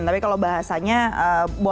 tapi kalau bahasanya berbeda